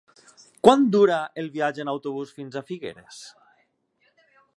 Quant dura el viatge en autobús fins a Figueres?